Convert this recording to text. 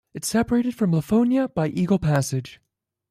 It is separated from Lafonia by Eagle Passage.